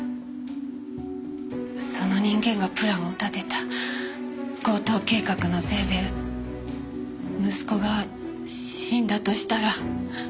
その人間がプランを立てた強盗計画のせいで息子が死んだとしたら。